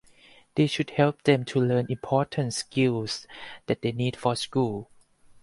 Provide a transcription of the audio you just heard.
This should help them to learn important skills that they need for school.